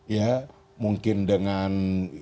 ya mungkin dengan